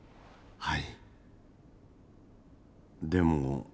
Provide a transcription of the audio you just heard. はい。